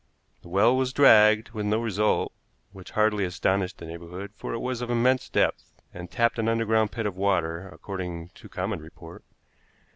The well was dragged, with no result, which hardly astonished the neighborhood, for it was of immense depth, and tapped an underground pit of water, according to common report.